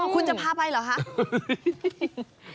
อ๋อคุณจะพาไปเหรอฮะ